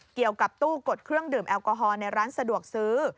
เกี่ยวกับตู้กดเครื่องดื่มแอลกอฮอลในร้านสะดวกซื้อ